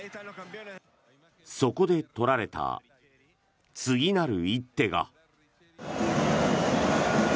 そこで取られた次なる一手が。